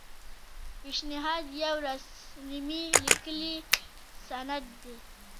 پیشنهاد یو رسمي لیکلی سند دی.